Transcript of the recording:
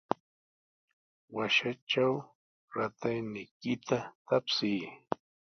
Washatraw ratayniykita tapsiy.